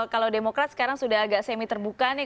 kalau demokrat sekarang sudah agak semi terbuka nih